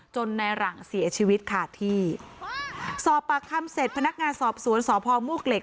ในหลังเสียชีวิตขาดที่สอบปากคำเสร็จพนักงานสอบสวนสพมวกเหล็